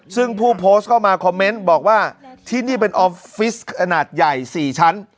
ซึ่งผู้โพสต์เข้ามาคอมเมนต์บอกว่าที่นี่เป็นออฟฟิศขนาดใหญ่๔ชั้น